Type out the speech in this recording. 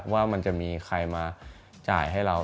ว่ามันจะมีใครมาจ่ายให้เรา